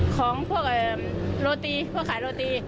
ของรอตีเพื่อขายรอตี